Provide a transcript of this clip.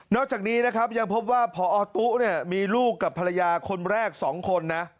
อกจากนี้นะครับยังพบว่าพอตู้เนี่ยมีลูกกับภรรยาคนแรก๒คนนะ